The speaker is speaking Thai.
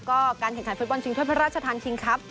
ก็การแข่งขันฟุตบอลชิงถ้วยพระราชทานคิงครับ